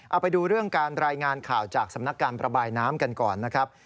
เอาไปดูเรื่องการรายงานข่าวจากสำนักการประบายน้ำกันก่อนนะครับ